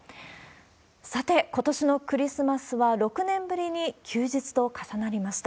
さて、今年のクリスマスは、６年ぶりに休日と重なりました。